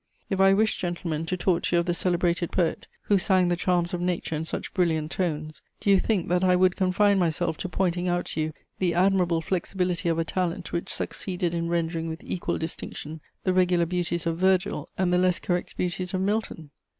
"If I wished, gentlemen, to talk to you of the celebrated poet who sang the charms of nature in such brilliant tones, do you think that I would confine myself to pointing out to you the admirable flexibility of a talent which succeeded in rendering with equal distinction the regular beauties of Virgil and the less correct beauties of Milton?